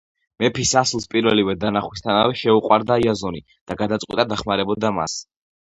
მეფის ასულს პირველივე დანახვისთანავე შეუყვარდა იაზონი და გადაწყვიტა დახმარებოდა მას.